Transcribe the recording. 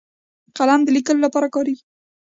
قلم د لیکلو لپاره کارېږي